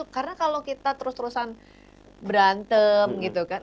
karena kalau kita terus terusan berantem gitu kan